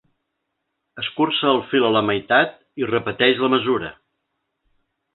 Escurça el fil a la meitat i repeteix la mesura.